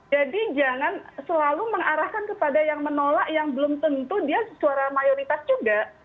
jadi jangan selalu mengarahkan kepada yang menolak yang belum tentu dia suara mayoritas juga